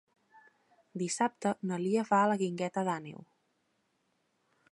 Dissabte na Lia va a la Guingueta d'Àneu.